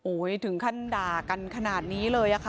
ถึงขั้นด่ากันขนาดนี้เลยอะค่ะ